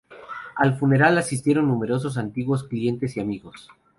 Al funeral asistieron numerosos antiguos clientes y amigos.